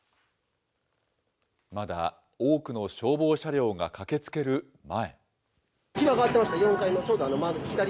まだ多くの消防車両が駆けつける前。